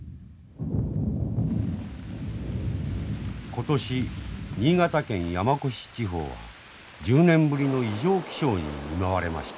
今年新潟県山古志地方は１０年ぶりの異常気象に見舞われました。